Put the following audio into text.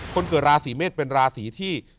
คนเกิดราศีเมษเป็นราศีที่